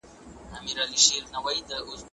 دا د سلیم فطرت غوښتنه ګڼل کېږي.